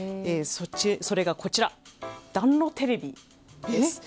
それが、暖炉テレビです。